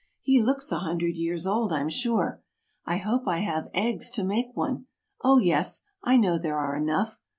He looks a hundred years old, I'm sure. I hope I have eggs to make one oh, yes, I know there are enough.